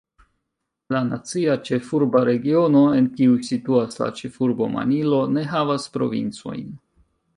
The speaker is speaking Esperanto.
La Nacia Ĉefurba Regiono, en kiu situas la ĉefurbo Manilo, ne havas provincojn.